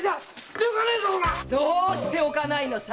どう捨ておかないのさ？